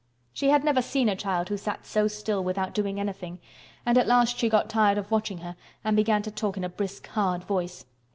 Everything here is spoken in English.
She had never seen a child who sat so still without doing anything; and at last she got tired of watching her and began to talk in a brisk, hard voice.